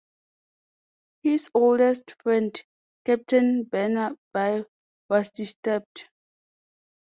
His oldest friend, Captain Burnaby, was disturbed.